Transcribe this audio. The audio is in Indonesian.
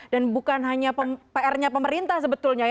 dan bukan hanya pr nya pemerintah sebetulnya